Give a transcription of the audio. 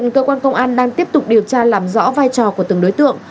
cơ quan công an đang tiếp tục điều tra làm rõ vai trò của từng đối tượng